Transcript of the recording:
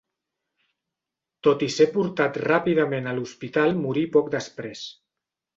Tot i ser portat ràpidament a l'hospital morí poc després.